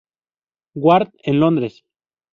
Ward en Londres.